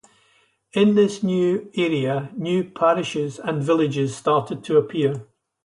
In this new area, new parishes and villages started to appear.